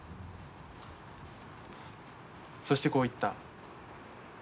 そしてこう言った。